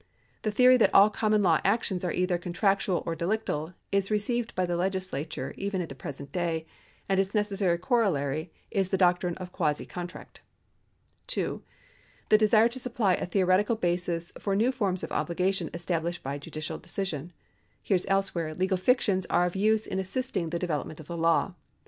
The theory that all common law actions are either contractual or delictal is received by the legislature even at the present day,^ and its necessary corollary is the doctrine of quasi contract. (2) The desire to supply a theoretical basis for new forms of obhgation established by judicial decision. Here as elsewhere, legal fictions are of use in assisting the development of the law.